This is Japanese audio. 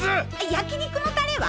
焼き肉のタレは？